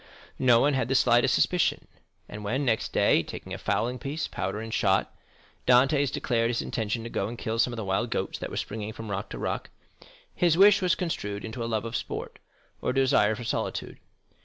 No one had the slightest suspicion; and when next day, taking a fowling piece, powder, and shot, Dantès declared his intention to go and kill some of the wild goats that were seen springing from rock to rock, his wish was construed into a love of sport, or a desire for solitude.